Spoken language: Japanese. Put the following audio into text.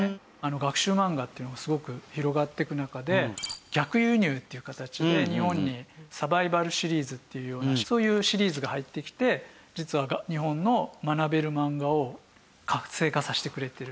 学習漫画っていうのがすごく広がっていく中で逆輸入っていう形で日本に『サバイバル』シリーズっていうようなそういうシリーズが入ってきて実は日本の学べる漫画を活性化させてくれてるんですね。